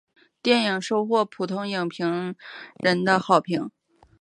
电影收获了普遍影评人的好评。